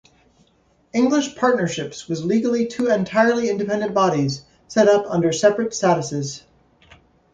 English Partnerships was legally two entirely independent bodies set up under separate statutes.